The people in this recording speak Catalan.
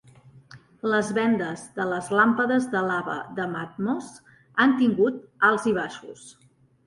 Les vendes de les làmpades de lava de Mathmos han tingut alts i baixos.